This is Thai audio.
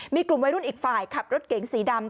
มีกลุ่มวัยรุ่นอีกฝ่ายขับรถเก๋งสีดำ